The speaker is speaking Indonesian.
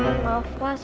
ngurus kesumu banget